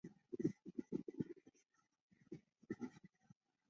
编制单位中国科学院大学